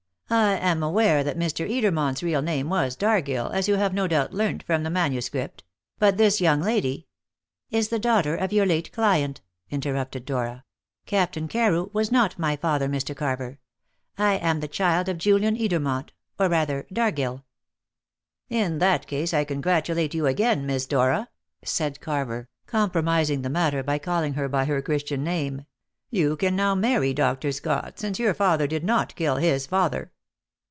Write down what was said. "I am aware that Mr. Edermont's real name was Dargill, as you have no doubt learnt from the manuscript. But this young lady " "Is the daughter of your late client," interrupted Dora. "Captain Carew was not my father, Mr. Carver. I am the child of Julian Edermont or rather, Dargill." "In that case I congratulate you again, Miss Dora," said Carver, compromising the matter by calling her by her Christian name; "you can now marry Dr. Scott, since your father did not kill his father."